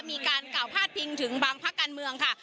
มีการกล่าวพาดพิงถึงบางพักการเมืองค่ะ